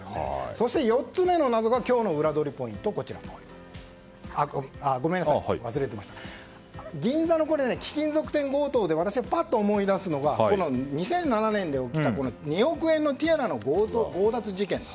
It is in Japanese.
そして、４つ目の謎が銀座の貴金属店強盗で私がぱっと思い出すのは２００７年に起きた２億円のティアラの強奪事件。